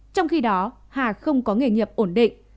trong khi đó hà không có nghề nghiệp ổn định